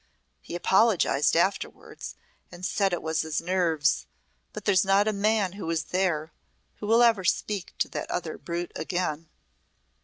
He apologized afterwards and said it was his nerves. But there's not a man who was there who will ever speak to that other brute again."